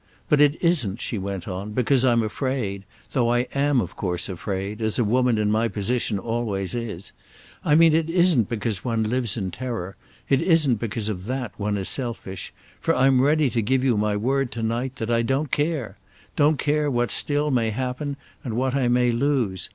But it isn't," she went on, "because I'm afraid—though I am of course afraid, as a woman in my position always is. I mean it isn't because one lives in terror—it isn't because of that one is selfish, for I'm ready to give you my word to night that I don't care; don't care what still may happen and what I may lose.